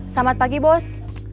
selamat pagi bos